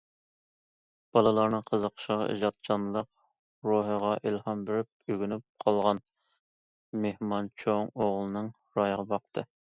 بالىلارنىڭ قىزىقىشىغا، ئىجادچانلىق روھىغا ئىلھام بېرىپ ئۆگىنىپ قالغان مېھمان چوڭ ئوغلىنىڭ رايىغا باقتى.